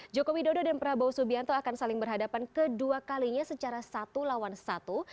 joko widodo dan prabowo subianto akan saling berhadapan kedua kalinya secara satu lawan satu